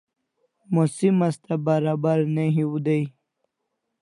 Musim Asta barabar ne hiu dai